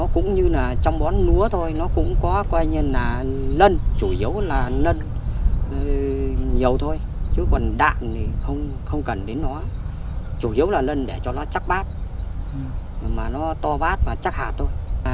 chủ yếu là lên để cho nó chắc bát mà nó to bát và chắc hạt thôi